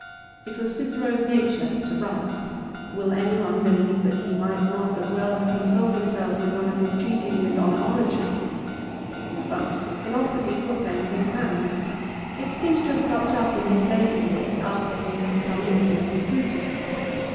It was Cicero's nature to write. Will any one believe that he might not as well have consoled himself with one of his treatises on oratory ? But philosophy was then to his hands. It seems to have cropped up in his latter years after he had become intimate with Brutus.